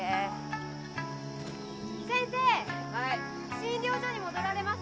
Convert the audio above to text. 診療所に戻られます？